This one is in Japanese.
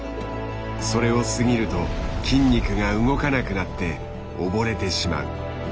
それを過ぎると筋肉が動かなくなって溺れてしまう。